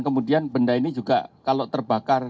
kemudian benda ini juga kalau terbakar